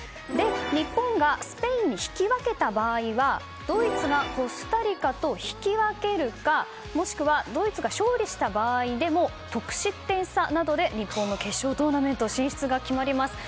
日本がスペインに引き分けた場合はドイツがコスタリカと引き分けるかもしくはドイツが勝利した場合でも得失点差などで日本の決勝トーナメント進出が決まります。